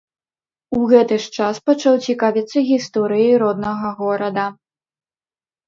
У гэты ж час пачаў цікавіцца гісторыяй роднага горада.